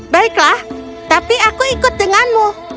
baiklah tapi aku ikut denganmu